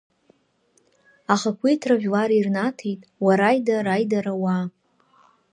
Ахақәиҭра жәлар ирнаҭеит, уараида, раидара, уаа!